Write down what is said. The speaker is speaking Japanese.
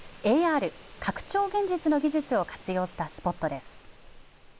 ＡＲ、拡張現実の技術を活用したスポットです。